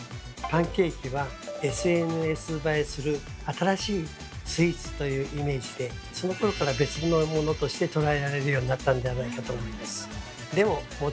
パンケーキはＳＮＳ映えする新しいスイーツというイメージでそのころから別のものとして捉えられるようになったんじゃないかと思います。